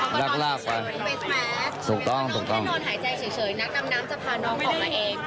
ก็รากไปเขาก็นอนเฉยหอยความรับ